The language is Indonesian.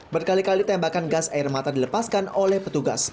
berkali kali tembakan gas air mata dilepaskan oleh petugas